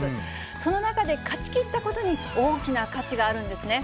その中で勝ち切ったことに、大きな価値があるんですね。